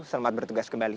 selamat bertugas kembali